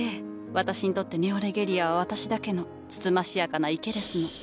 私にとってネオレゲリアは私だけのつつましやかな池ですの。